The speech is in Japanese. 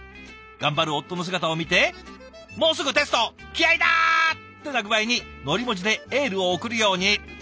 頑張る夫の姿を見て「もうすぐテスト気合いダァーッ！」ってな具合にのり文字でエールを送るように。